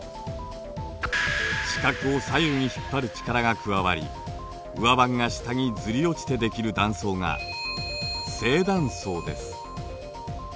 地殻を左右に引っ張る力が加わり上盤が下にずり落ちてできる断層が正断層です。